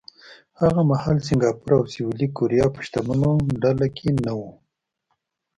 هغه مهال سینګاپور او سویلي کوریا په شتمنو ډله کې نه وو.